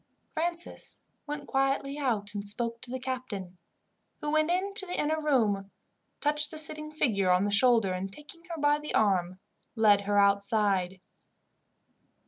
Francis went quietly out and spoke to the captain, who went in to the inner room, touched the sitting figure on the shoulder, and, taking her by the arm, led her outside.